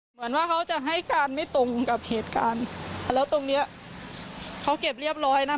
เหมือนว่าเขาจะให้การไม่ตรงกับเหตุการณ์แล้วตรงเนี้ยเขาเก็บเรียบร้อยนะคะ